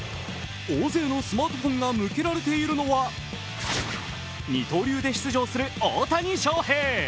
大勢のスマートフォンが向けられているのは、二刀流で出場する大谷翔平。